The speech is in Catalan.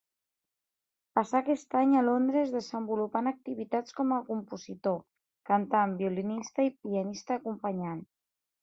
Passà aquest any a Londres desenvolupant activitats com a compositor, cantant, violinista i pianista acompanyant.